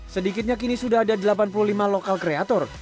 sedikitnya kini sudah ada delapan puluh lima lokal kreator